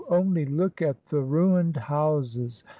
Only look at the ruined houses!